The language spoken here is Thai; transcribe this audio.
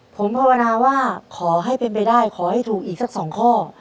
ผมภาวนาว่าขอให้เป็นไปได้ขอให้ถูกอีกสัก๒ข้อ